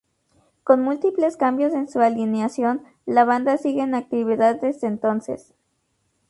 Con múltiples cambios en su alineación, la banda sigue en actividad desde entonces.